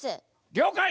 りょうかい！